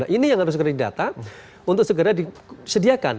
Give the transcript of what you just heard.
nah ini yang harus dikirimkan di data untuk segera disediakan